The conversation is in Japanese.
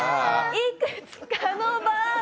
いくつかの場面